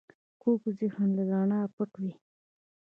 کوږ ذهن له رڼا پټ وي